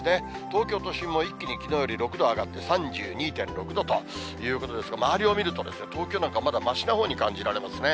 東京都心も一気にきのうより６度上がって、３２．６度ということですが、周りを見ると、東京なんかまだましなほうに感じられますね。